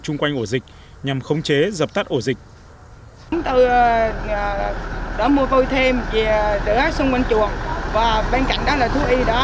chung quanh ổ dịch nhằm khống chế dập tắt ổ dịch